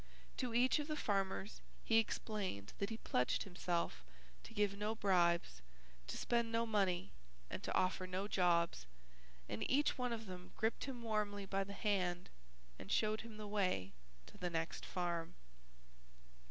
To each of the farmers he explained that he pledged himself to give no bribes, to spend no money and to offer no jobs, and each one of them gripped him warmly by the hand and showed him the way to the next farm.